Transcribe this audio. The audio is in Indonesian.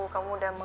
kamu udah mau